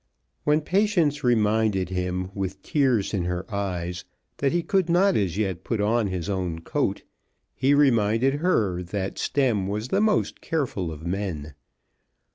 When Patience reminded him, with tears in her eyes, that he could not as yet put on his own coat, he reminded her that Stemm was the most careful of men.